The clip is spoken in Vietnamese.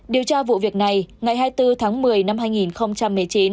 điều tra vụ việc này ngày hai mươi bốn tháng một mươi năm hai nghìn một mươi chín